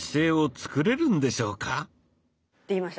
できました。